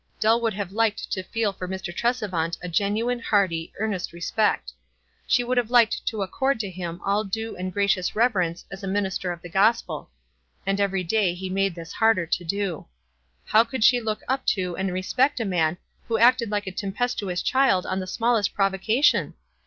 Dell would have liked to feel for Mr. Tresevant a genuine, hearty, earn est respect. She would have liked to accord to him all due and gracious reverence as a minister of the gospel. And eveiy day he made this harder to do. How could she look up to and respect a mau who acted like a tempestuous child on the smallest provocation?